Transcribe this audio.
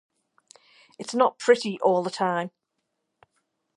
It’s not pretty all the time.